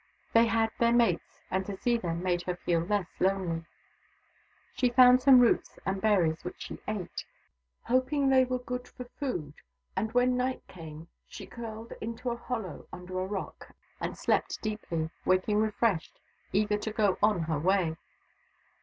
They had their mates, and to see them made her feel less lonely. She found some roots and berries, which she ate, hoping they were good for food : and when night came, she curled into a hollow under a rock and slept deeply, waking refreshed, eager to go on her way.